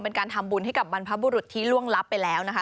เป็นการทำบุญให้กับบรรพบุรุษที่ล่วงลับไปแล้วนะคะ